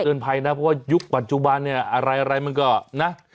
ภัยนะเพราะว่ายุคปัจจุบันเนี่ยอะไรมันก็นะ